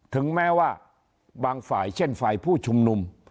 ถึงแม้ว่าบางฝ่ายเช่นฝ่ายผู้ชุมนุม